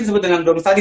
disebut dengan doms tadi